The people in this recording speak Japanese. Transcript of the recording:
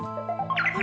あれ？